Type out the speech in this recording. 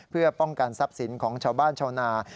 เพื่อป้องกันทรัพย์สินของชาวบ้านชาวนา